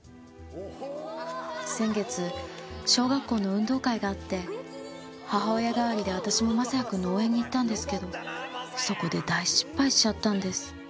先月小学校の運動会があって母親代わりで私も将也くんの応援に行ったんですけどそこで大失敗しちゃったんです。